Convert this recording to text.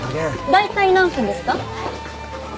大体何分ですか？